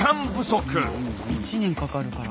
１年かかるから。